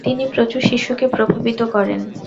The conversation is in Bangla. তিনি প্রচুর শিষ্যকে প্রভাবিত করেন।